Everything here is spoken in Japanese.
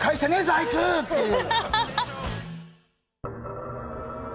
あいつっていう。